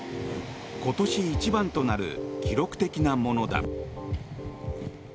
今年一番となる記録的なものだ。